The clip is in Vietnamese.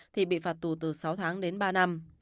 thì bị phạt tù từ sáu tháng đến ba năm